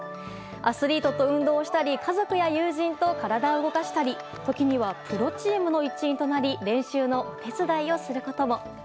アスリートと運動をしたり家族や友人と体を動かしたり時には、プロチームの一員となり練習のお手伝いをすることも。